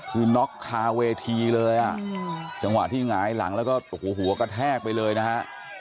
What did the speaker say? คือน็อกคาเวทีเลยอ่ะจังหวะที่หงายหลังแล้วก็โอ้โหหัวกระแทกไปเลยนะฮะ